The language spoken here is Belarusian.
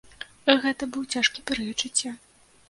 Гэты быў цяжкі перыяд жыцця.